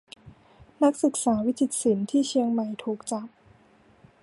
นักศึกษาวิจิตรศิลป์ที่เชียงใหม่ ถูกจับ